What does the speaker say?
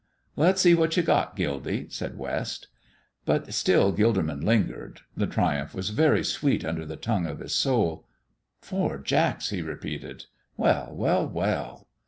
"Let's see what you've got, Gildy," said West. But still Gilderman lingered. The triumph was very, very sweet under the tongue of his soul. "Four jacks!" he repeated. "Well, well, well!"